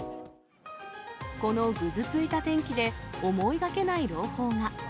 このぐずついた天気で、思いがけない朗報が。